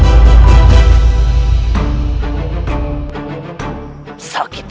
siapa yang uhh